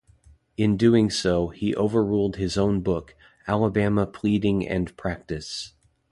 In so doing, he overruled his own book, Alabama Pleading and Practice.